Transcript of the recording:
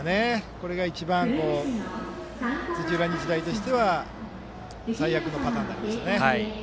これが一番、土浦日大としては最悪のパターンになりましたね。